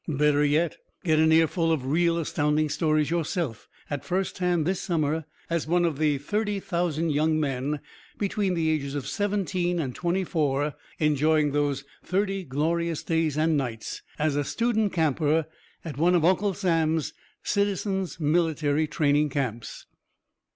Better yet, get an earful of real Astounding Stories yourself, at first hand this summer, as one of the thirty thousand young men between the ages of seventeen and twenty four enjoying those thirty glorious days and nights as a student camper at one of Uncle Sam's Citizens' Military Training Camps.